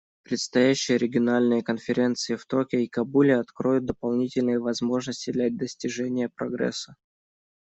Предстоящие региональные конференции в Токио и Кабуле откроют дополнительные возможности для достижения прогресса.